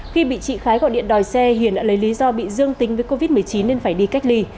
khi bị chị khái gọi điện đòi xe hiền đã lấy lý do bị dương tính với covid một mươi chín nên phải đi cách ly